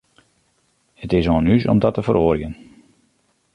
It is oan ús om dat te feroarjen.